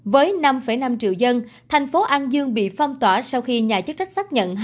với năm năm triệu dân thành phố an dương bị phong tỏa sau khi nhà chức trách xác nhận